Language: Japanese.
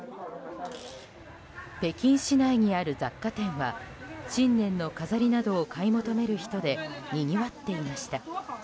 北京市内にある雑貨店は新年の飾りなどを買い求める人でにぎわっていました。